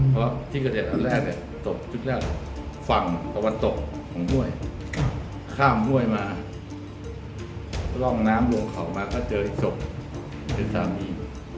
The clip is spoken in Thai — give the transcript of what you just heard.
เพราะที่กระเด็นอันแรกฝั่งตะวันตกของห้วยข้ามห้วยมาร่องน้ำลงเข่ามาก็เจออีกศพคือสามี